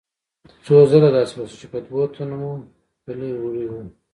څو ځله داسې وشول چې په دوو تنو مو پلي وړي وو.